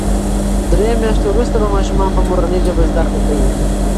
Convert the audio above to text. درې میاشتې وروسته به ماشومان په مورنۍ ژبه زده کړه کوي.